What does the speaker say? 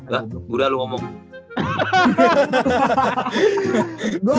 lah udah lu ngomong